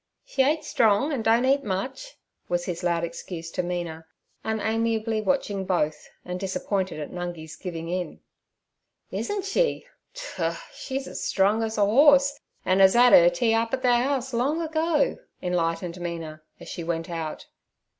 'She ain't strong, an' don't eat much' was his loud excuse to Mina, unamiably watching both, and disappointed at Nungi's giving in. 'Isn't she? Tur! she's strong as a horse, an' 'as 'ad her tea up at the house long ago' enlightened Mina, as she went out.